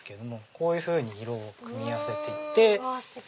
こういうふうに色を組み合わせていって。